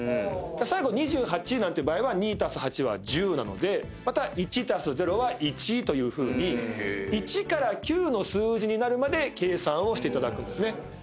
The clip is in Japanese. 最後２８なんていう場合は２＋８は１０なのでまた１＋０は１というふうに１から９の数字になるまで計算をしていただくんですね。